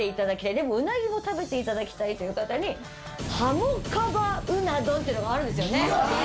でもうなぎも食べて頂きたいという方に鱧カバうな丼っていうのがあるんですよね？